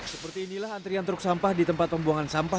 seperti inilah antrian truk sampah di tempat pembuangan sampah